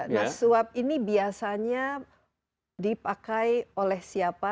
nah suap ini biasanya dipakai oleh siapa